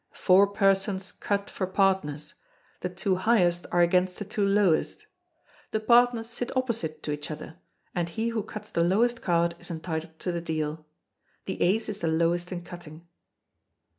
Four persons cut for partners; the two highest are against the two lowest. The partners sit opposite to each other, and he who cuts the lowest card is entitled to the deal. The ace is the lowest in cutting.